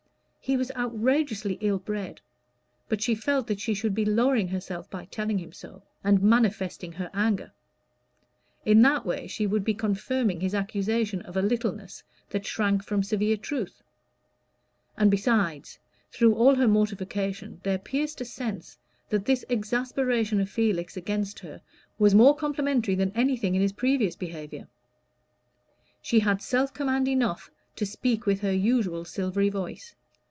He was outrageously ill bred; but she felt that she should be lowering herself by telling him so, and manifesting her anger; in that way she would be confirming his accusation of a littleness that shrank from severe truth; and, besides, through all her mortification there pierced a sense that this exasperation of Felix against her was more complimentary than anything in his previous behavior. She had self command enough to speak with her usual silvery voice.